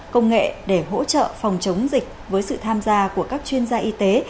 công nghệ để hỗ trợ phòng chống dịch với sự tham gia của các chuyên gia y tế